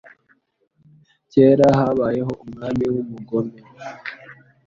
Kera, habayeho umwami wubugome.